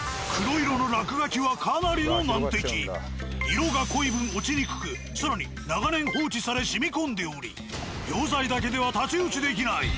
色が濃い分落ちにくく更に長年放置され染み込んでおり溶剤だけでは太刀打ちできない。